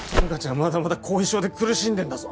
まだまだ後遺症で苦しんでんだぞ